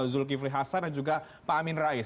zulkifli hasan dan juga pak amin rais